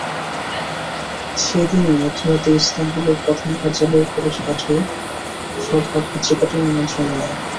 সেদিনই মধ্যরাতে ইস্তাম্বুলের প্রধান কার্যালয়ে পুলিশ পাঠিয়ে সরকার পত্রিকাটির নিয়ন্ত্রণ নেয়।